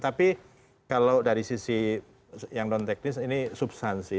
tapi kalau dari sisi yang non teknis ini substansi